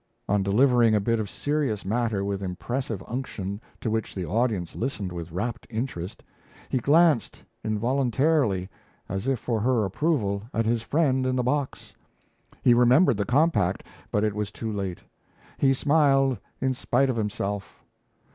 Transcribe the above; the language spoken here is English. On delivering a bit of serious matter with impressive unction, to which the audience listened with rapt interest, he glanced involuntarily, as if for her approval, at his friend in the box. He remembered the compact, but it was too late he smiled in spite of himself.